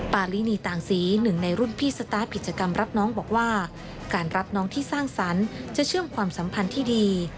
ปารินีต่างศรีหนึ่งในรุ่นพี่สตาร์ทกิจกรรมรับน้องบอกว่าการรับน้องที่สร้างสรรค์จะเชื่อมความสัมพันธ์ที่ดี